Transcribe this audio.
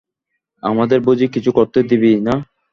আমাদের বুঝি কিছু করতে দিবি নে?